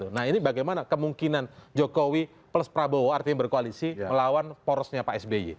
nah ini bagaimana kemungkinan jokowi plus prabowo artinya berkoalisi melawan porosnya pak sby